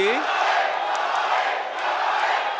tidak boleh tidak boleh tidak boleh